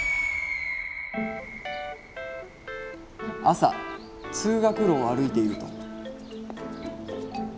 朝通学路を歩いていると。